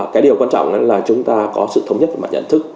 cái điều quan trọng là chúng ta có sự thống nhất và nhận thức